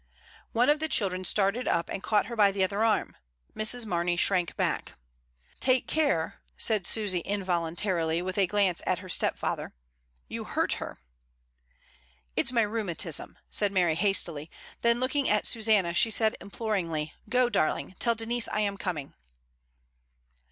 One of the children started up and caught her by the other arm. Mrs. Mamey shrank back. Il8 MRS. DYMOND. "Take care," said Susy, involuntarily, with a glance at her stepfather, "you hurt her." "It's my rheumatism," said Mary hastily; then looking at Susanna, she said imploringly, "Go, darling, tell Denise I am coming."